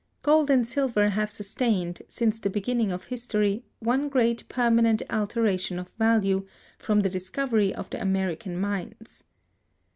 Gold and silver have sustained, since the beginning of history, one great permanent alteration of value, from the discovery of the American mines.